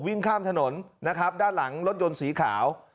วิ่งข้ามถนนนะครับด้านหลังรถยนต์สีขาว